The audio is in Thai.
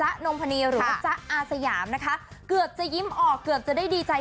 ะนมพณีหรืออาศยามค่ะเกือบจะยิ้มออกเกือบจะได้ดีใจ